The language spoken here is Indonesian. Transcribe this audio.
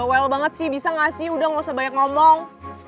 well banget sih bisa ngasih udah gak usah banyak ngomong